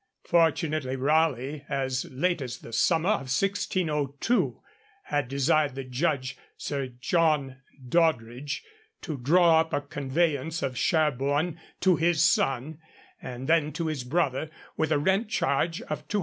Fortunately Raleigh, as late as the summer of 1602, had desired the judge, Sir John Doddridge, to draw up a conveyance of Sherborne to his son, and then to his brother, with a rent charge of 200_l.